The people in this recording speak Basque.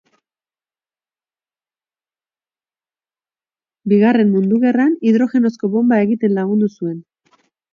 Bigarren Mundu Gerran hidrogenozko bonba egiten lagundu zuen.